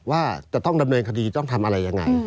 ว่าจะต้องดำเนินคดีต้องทำอะไรยังไง